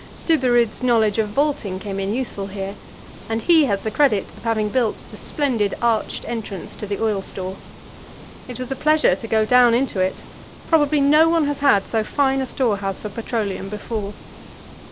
Stubberud's knowledge of vaulting came in useful here, and he has the credit of having built the splendid arched entrance to the oil store. It was a pleasure to go down into it; probably no one has had so fine a storehouse for petroleum before.